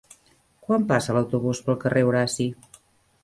Quan passa l'autobús pel carrer Horaci?